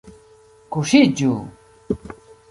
Kuŝiĝu!